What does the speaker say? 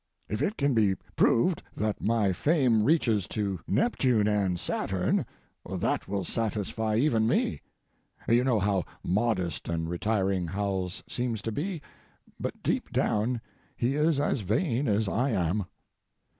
If it can be proved that my fame reaches to Neptune and Saturn; that will satisfy even me. You know how modest and retiring Howells seems to be, but deep down he is as vain as I am.